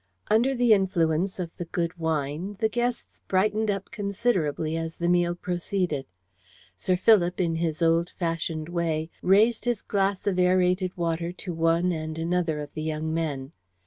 Under the influence of the good wine the guests brightened up considerably as the meal proceeded. Sir Philip, in his old fashioned way, raised his glass of aerated water to one and another of the young men.